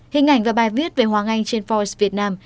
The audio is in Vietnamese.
hình ảnh và bài viết về hoàng anh trên foice việt nam